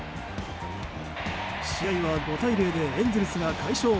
試合は５対０でエンゼルスが快勝。